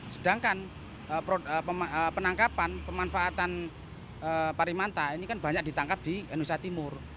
sedangkan penangkapan pemanfaatan parimanta ini kan banyak ditangkap di nusa timur